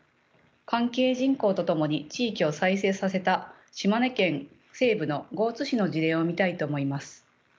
関係人口と共に地域を再生させた島根県西部の江津市の事例を見たいと思います。